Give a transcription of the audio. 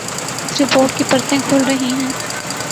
اس report کی پرتیں کھل رہی ہیں۔